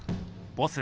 ボス